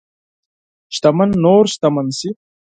شتمن نور شتمن شي.